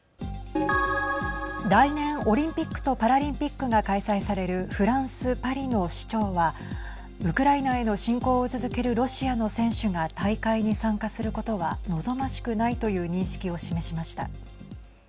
来年オリンピックとパラリンピックが開催されるフランス・パリの市長はウクライナへの侵攻を続けるロシアの選手が大会に参加することは望ましくないという認識を示しました。